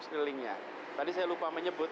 seluruh kelilingnya tadi saya lupa menyebut